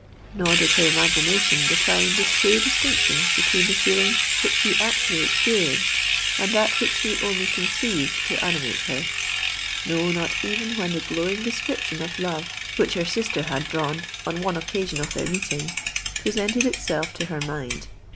Nor did her imagination define the true distinction between the feeling which she actually experienced, and that which she only conceived to animate her,—no, not even when the glowing description of love which her sister had drawn on one occasion of their meeting, presented itself to her mind.